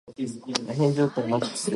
What was it Lamb wanted?